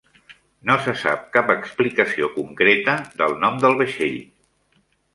No se sap cap explicació concreta del nom del vaixell.